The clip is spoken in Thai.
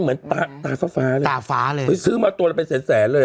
เหมือนตาตาฟ้าฟ้าเลยตาฟ้าเลยเฮ้ยซื้อมาตัวอะไรไปแสนแสนเลยอ่ะ